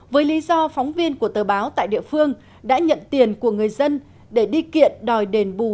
với lý do phóng viên của tờ báo tại địa phương đã nhận tiền của người dân để đi kiện đòi đền bù